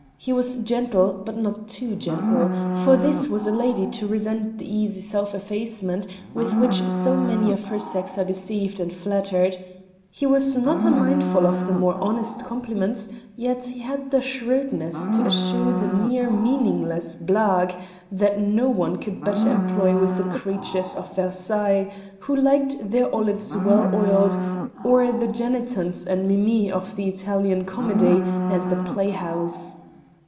He was gentle, but not too gentle for this was a lady to resent the easy self effacement with which so many of her sex are deceived and flattered; he was not unmindful of the more honest compliments, yet he had the shrewdness to eschew the mere meaningless blague that no one could better employ with the creatures of Versailles, who liked their olives well oiled, or the Jeannetons and Mimis of the Italian comedy and the playhouse.